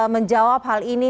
menjawab hal ini